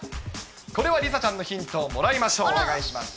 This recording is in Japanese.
これは梨紗ちゃんのヒントをもらいましょう。